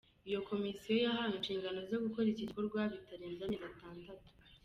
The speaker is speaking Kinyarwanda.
Iyo komisiyo yahawe inshingano zo gukora iki gikorwa bitarenze amezi atandatu.